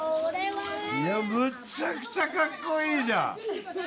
むちゃくちゃ格好いいじゃん！